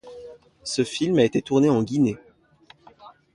Ce film a été tourné en Guinée.